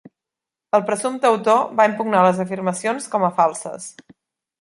El presumpte autor va impugnar les afirmacions com a falses.